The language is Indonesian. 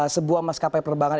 sebuah maskapai perbangan